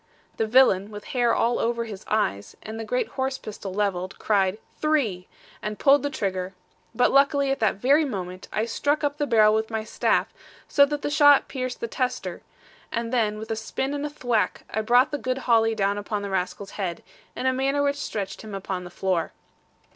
The villain, with hair all over his eyes, and the great horse pistol levelled, cried 'three,' and pulled the trigger; but luckily, at that very moment, I struck up the barrel with my staff, so that the shot pierced the tester, and then with a spin and a thwack I brought the good holly down upon the rascal's head, in a manner which stretched him upon the floor.